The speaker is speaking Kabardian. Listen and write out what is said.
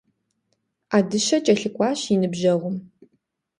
Ӏэдыщэ кӀэлъыкӀуащ и ныбжьэгъум.